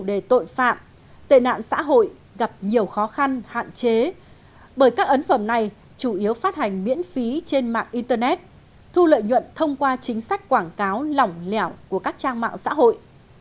để tội phạm tệ nạn xã hội gặp nhiều khó khăn hạn chế bởi các ấn phẩm này chủ yếu phát hành miễn phí trên mạng internet thu lợi nhuận thông qua chính sách quảng cáo lỏng lẻo của các trang mạng xã hội